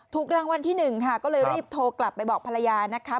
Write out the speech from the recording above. ถูกรางวัลที่๑ค่ะก็เลยรีบโทรกลับไปบอกภรรยานะคะ